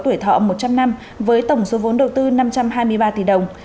tỉnh này có tuổi thọ một trăm linh năm với tổng số vốn đầu tư năm trăm hai mươi ba tỷ đồng